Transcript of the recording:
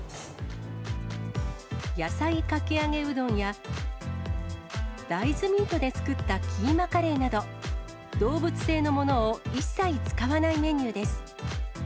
野菜かき揚げうどんや、大豆ミートで作ったキーマカレーなど、動物性のものを一切使わないメニューです。